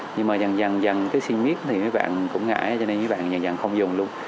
nhưng mà dần dần cứ xin miếng thì mấy bạn cũng ngại cho nên mấy bạn dần dần không dùng luôn